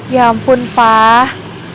ya ampun pak